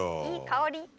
いい香り。